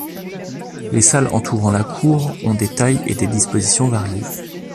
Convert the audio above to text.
Les salles entourant la cour ont des tailles et des disposition variées.